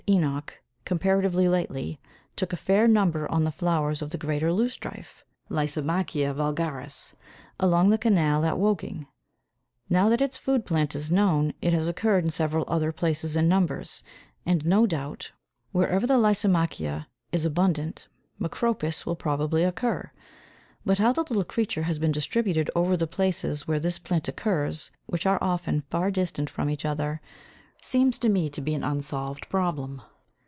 Enoch, comparatively lately, took a fair number on the flowers of the greater loose strife (Lysimachia vulgaris) along the canal at Woking; now that its food plant is known, it has occurred in several other places in numbers, and no doubt wherever the Lysimachia is abundant Macropis will probably occur, but how the little creature has been distributed over the places where this plant occurs, which are often far distant from each other, seems to me to be an unsolved problem.